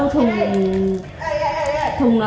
thùng này tùy loại